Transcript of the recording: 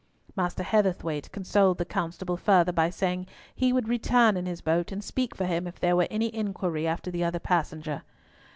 Master Heatherthwayte consoled the constable further by saying he would return in his boat, and speak for him if there were any inquiry after the other passenger.